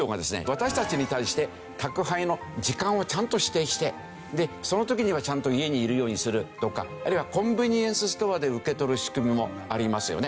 私たちに対して宅配の時間をちゃんと指定してその時にはちゃんと家にいるようにするとかあるいはコンビニエンスストアで受け取る仕組みもありますよね。